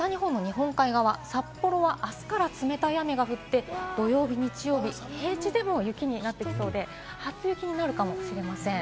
そして北日本の日本海側、札幌は明日から冷たい雨が降って土曜日、日曜日は平地でも雪になってきそうで、初雪になるかもしれません。